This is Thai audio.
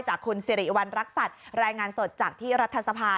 คุณสิริวัณรักษัตริย์รายงานสดจากที่รัฐสภา